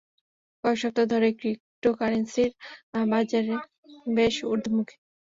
কয়েক সপ্তাহ ধরেই ক্রিপ্টোকারেন্সির বাজার বেশ ঊর্ধ্বমুখী।